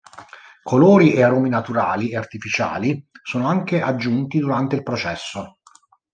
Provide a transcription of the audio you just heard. Colori e aromi naturali e artificiali sono anche aggiunti durante il processo.